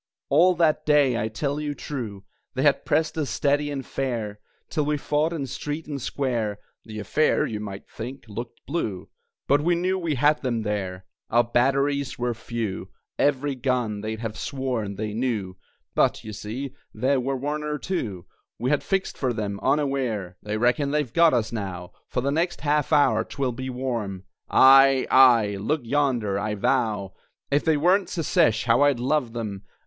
All that day, I tell you true, They had pressed us steady and fair, Till we fought in street and square (The affair, you might think, looked blue), But we knew we had them there! Our batteries were few, Every gun, they'd have sworn, they knew, But, you see, there were one or two We had fixed for them, unaware. They reckon they've got us now! For the next half hour 'twill be warm Aye, aye, look yonder! I vow, If they weren't Secesh, how I'd love them!